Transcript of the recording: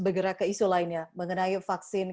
bergerak ke isu lainnya mengenai vaksin